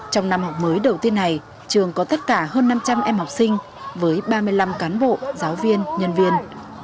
trong năm học mới đầu tiên này trường có tất cả hơn năm trăm linh em học sinh với ba mươi năm cán bộ giáo viên nhân viên